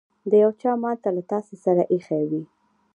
د يو چا مال له تاسې سره ايښی وي.